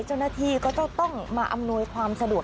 เจ้าหน้าที่ก็ต้องมาอำนวยความสะดวก